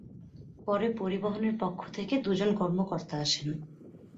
পরে পরিবহনের পক্ষ থেকে দুজন কর্মকর্তা আসেন।